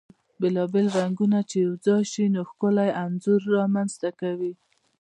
بيلا بيل رنګونه چی يو ځاي شي ، نو ښکلی انځور رامنځته کوي .